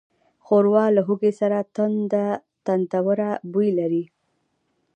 ښوروا له هوږې سره تندهوره بوی لري.